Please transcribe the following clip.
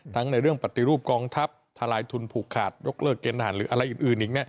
ในเรื่องปฏิรูปกองทัพทลายทุนผูกขาดยกเลิกเกณฑหารหรืออะไรอื่นอีก